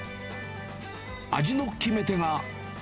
味の決め手が。